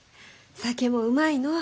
酒もうまいのう。